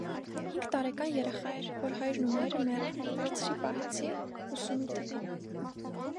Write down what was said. Հինգ տարեկան երեխա էր, որ հայրն ու մայրը մեռան, վերցրի պահեցի, ուսումի տվի.